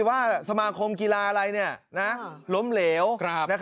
ว่าสมาคมกีฬาอะไรล้มเหลว